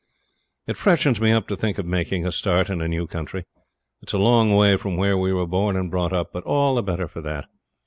It freshens me up to think of making a start in a new country. It's a long way from where we were born and brought up; but all the better for that.